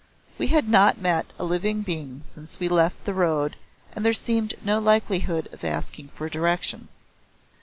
We had not met a living being since we left the road and there seemed no likelihood of asking for directions.